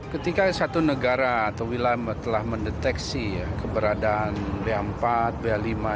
ketika satu negara atau wilayah telah mendeteksi keberadaan ba empat ba lima